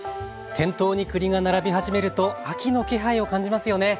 店頭に栗が並び始めると秋の気配を感じますよね。